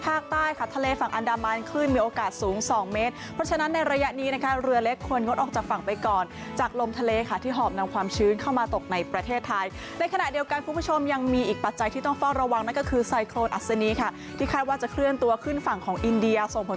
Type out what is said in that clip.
ภาคใต้ค่ะทะเลฝั่งอันดามันคลื่นมีโอกาสสูงสองเมตรเพราะฉะนั้นในระยะนี้นะคะเรือเล็กควรงดออกจากฝั่งไปก่อนจากลมทะเลค่ะที่หอบนำความชื้นเข้ามาตกในประเทศไทยในขณะเดียวกันคุณผู้ชมยังมีอีกปัจจัยที่ต้องเฝ้าระวังนั่นก็คือไซโครนอัศนีค่ะที่คาดว่าจะเคลื่อนตัวขึ้นฝั่งของอินเดียส่งผล